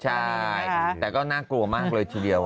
ใช่แต่ก็น่ากลัวมากเลยทีเดียว